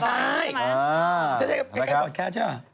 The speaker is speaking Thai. ใช่ใช่ใกล้กับบอสแคร์ส์ใช่ปะ